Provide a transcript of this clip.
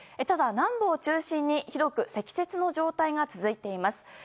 ただ南部を中心に広く積雪の状態が続いています。